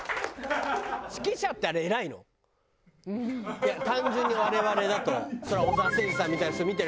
いや単純に我々だとそりゃ小澤征爾さんみたいな人見てすごいんだな。